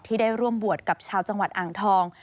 ที่ได้ร่วมบวชกับชาวจังหวัดอ่างทอง